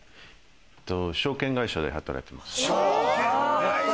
証券会社で働いてます。